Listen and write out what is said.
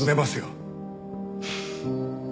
フッ。